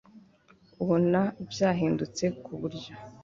ubona byahindutse ku buryo